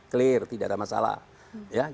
clear tidak ada masalah